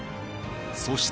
そして。